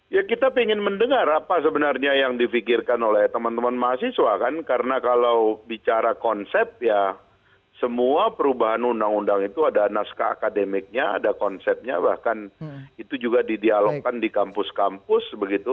ya kita ingin mendengar apa sebenarnya yang difikirkan oleh teman teman mahasiswa kan karena kalau bicara konsep ya semua perubahan undang undang itu ada naskah akademiknya ada konsepnya bahkan itu juga didialogkan di kampus kampus begitu